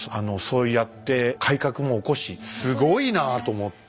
そうやって改革も起こしすごいなあと思って。